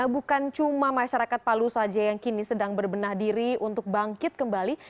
bukan cuma masyarakat palu saja yang kini sedang berbenah diri untuk bangkit kembali